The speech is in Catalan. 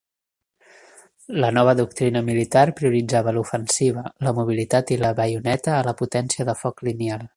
La nova doctrina militar prioritzava l'ofensiva, la mobilitat i la baioneta a la potència de foc lineal.